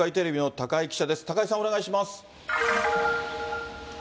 高井さん、お願いします。